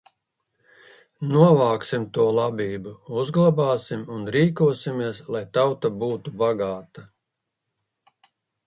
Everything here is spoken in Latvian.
Novāksim to labību, uzglabāsim un rīkosimies, lai tauta būtu bagāta!